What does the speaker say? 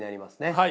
はい。